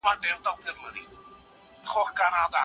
د مرغۍ بچي به ډېر ژر والوځي.